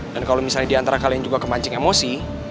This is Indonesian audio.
dan kalo misalnya diantara kalian juga kepancing emosi